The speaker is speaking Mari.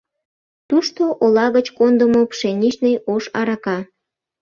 Тушто ола гыч кондымо «пшеничный» ош арака.